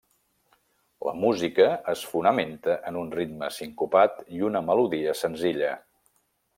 La música es fonamenta en un ritme sincopat i una melodia senzilla.